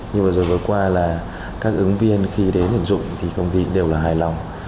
như vừa rồi vừa qua là các ứng viên khi đến ứng dụng thì công ty cũng đều là hài lòng